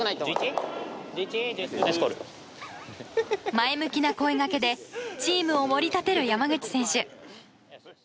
前向きな声掛けでチームを盛り立てる山口選手。